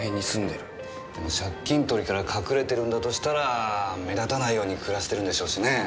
でも借金取りから隠れてるんだとしたら目立たないように暮らしてるでしょうしね。